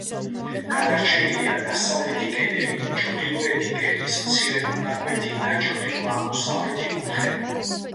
გადარჩენილია დასავლეთი კედელი, ჩრდილოეთი კედლის მცირე მონაკვეთი და ჩრდილო-აღმოსავლეთი კუთხე.